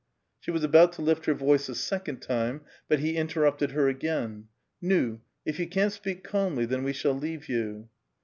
She was about to lift her voice a second time, but he interrupted her again, '* ^w, if you can't speak calmly, then we shall leave you."